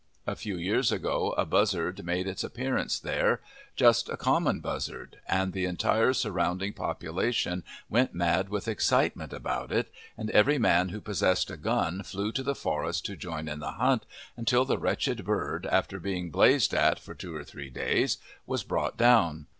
A few years ago a buzzard made its appearance there just a common buzzard, and the entire surrounding population went mad with excitement about it, and every man who possessed a gun flew to the forest to join in the hunt until the wretched bird, after being blazed at for two or three days, was brought down.